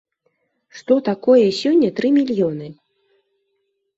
Што такое сёння тры мільёны?